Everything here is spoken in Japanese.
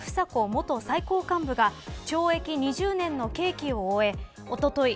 元最高幹部が懲役２０年の刑期を終えおととい